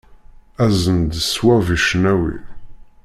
Azen-d ṣwab i cnawi.